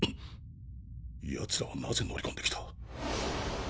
ヤツらはなぜ乗り込んできた？